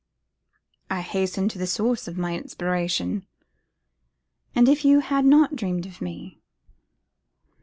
'I hastened to the source of my inspiration.' 'And if you had not dreamt of me?